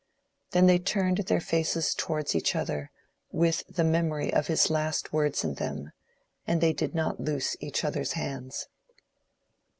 Then they turned their faces towards each other, with the memory of his last words in them, and they did not loose each other's hands.